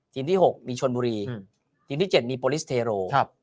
ทีมที่๖มีชวนบุรีทีมที่๗มีบลิสเทโรครับ